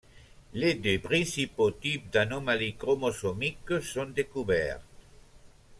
Les deux principaux types d'anomalies chromosomiques sont découverts.